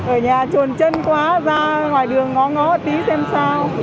ở nhà chuồn chân quá ra ngoài đường ngó ngó tí xem sao